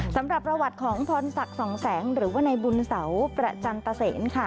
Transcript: สำหรับประวัติของพรศักดิ์สองแสงหรือว่าในบุญเสาประจันตเซนค่ะ